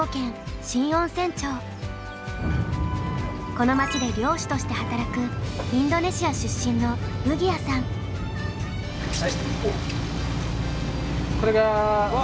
この町で漁師として働くインドネシア出身のウギアさん。わ！